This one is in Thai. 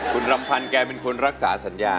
คุณรำพันธ์แกเป็นคนรักษาสัญญา